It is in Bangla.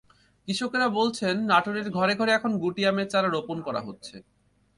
কৃষকেরা বলছেন, নাটোরের ঘরে ঘরে এখন গুটি আমের চারা রোপণ করা হচ্ছে।